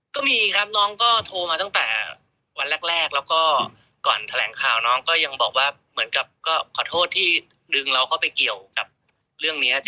ก็มีครับน้องก็โทรมาตั้งแต่วันแรกแล้วก็ก่อนแถลงข่าวน้องก็ยังบอกว่าเหมือนกับก็ขอโทษที่ดึงเราเข้าไปเกี่ยวกับเรื่องนี้